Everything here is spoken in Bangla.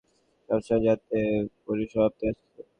সবসময়ই জানতে পরিসমাপ্তি আসছে।